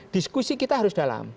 diskusi kita harus dalam